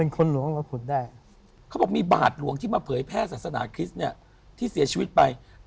คราวนี้ก็อยู่ใน